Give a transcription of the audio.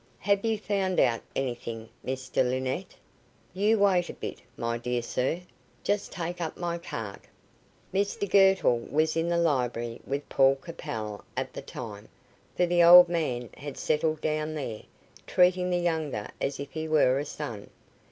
"Have you found out anything, Mr Linnett?" "You wait a bit, my dear sir. Just take up the card." Mr Girtle was in the library with Paul Capel at the time, for the old man had settled down there, treating the younger as if he were a son.